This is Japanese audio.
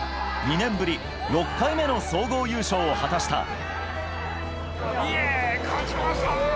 ２年ぶり６回目の総合優勝を果たした。